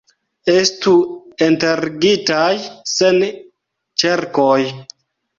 Estu enterigitaj sen ĉerkoj!